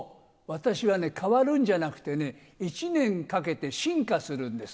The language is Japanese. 私はね、変わるんじゃなくてね、１年かけて進化するんです。